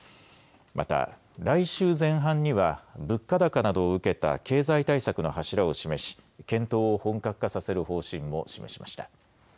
また来週前半には物価高などを受けた経済対策の柱を示し検討を本格化させる方針も示しました。